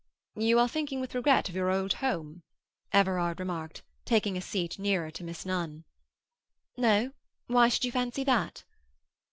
"You are thinking with regret of your old home," Everard remarked, taking a seat nearer to Miss Nunn. "No. Why should you fancy that?"